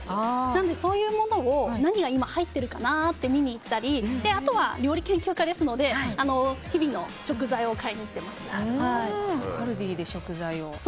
なのでそういうものを何が今入ってるかなって見に行ったりあとは料理研究家ですのでカルディで食材を。